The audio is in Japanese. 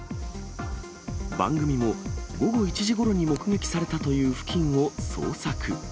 番組も、午後１時ごろに目撃されたという付近を捜索。